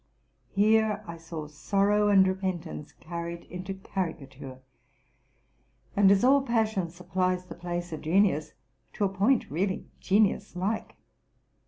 Here I saw sorrow and repentance carried into caricature, and, as all passion supplies the place of gen ius, to a point really genius like.